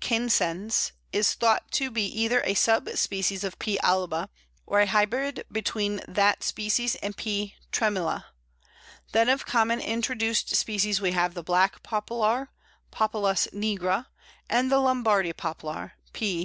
canescens_), is thought to be either a sub species of P. alba, or a hybrid between that species and P. tremula. Then of common introduced species we have the Black Poplar (Populus nigra), and the Lombardy Poplar (_P.